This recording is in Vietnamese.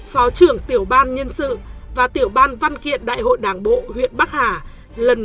phó trưởng tiểu ban nhân sự và tiểu ban văn kiện đại hội đảng bình